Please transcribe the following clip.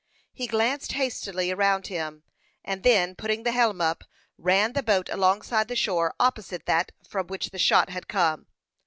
He glanced hastily around him, and then, putting the helm up, ran the boat alongside the shore opposite that from which the shot had come.